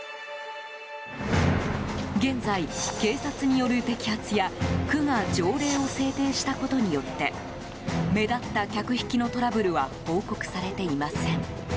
現在、警察による摘発や区が条例を制定したことによって目立った客引きのトラブルは報告されていません。